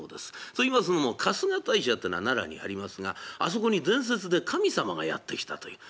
といいますのも春日大社ってのが奈良にありますがあそこに伝説で神様がやって来たという。